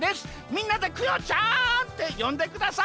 みんなでクヨちゃんってよんでください。